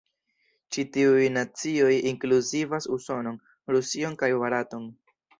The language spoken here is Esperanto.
Ĉi tiuj nacioj inkluzivas Usonon, Rusion, kaj Baraton.